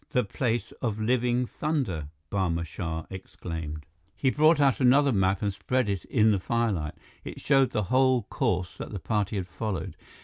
The Place of Living Thunder!" Barma Shah exclaimed. He brought out another map and spread it in the firelight. It showed the whole course that the party had followed.